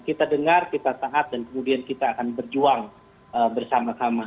kita dengar kita taat dan kemudian kita akan berjuang bersama sama